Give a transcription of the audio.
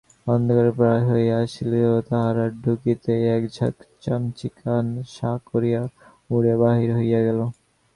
অন্ধকারপ্রায় হইয়া আসিয়াছিল- তাঁহারা ঢুকিতেই এক ঝাঁক চামচিকা সাঁ করিয়া উড়িয়া বাহির হইয়া গেল।